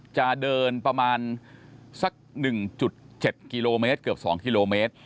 จะเดินประมาณสัก๑๗กิโลเมตรเกือบ๒กิโลเมตร